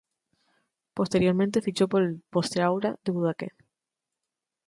Posteriormente fichó por el Steaua de Bucarest.